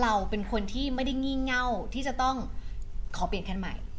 เราเป็นคนที่ไม่ได้งี่เง่าที่จะต้องขอเปลี่ยนคันใหม่